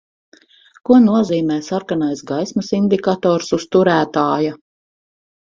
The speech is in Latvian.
Ko nozīmē sarkanais gaismas indikators uz turētāja?